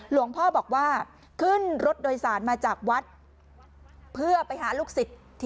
หลวงพ่อบอกว่าขึ้นรถโดยสารมาจากวัดเพื่อไปหาลูกศิษย์